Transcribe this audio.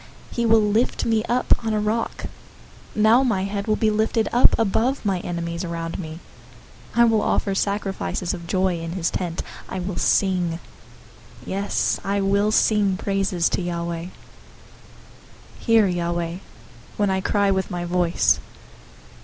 He will lift me up on a rock. 027:006 Now my head will be lifted up above my enemies around me. I will offer sacrifices of joy in his tent. I will sing, yes, I will sing praises to Yahweh. 027:007 Hear, Yahweh, when I cry with my voice.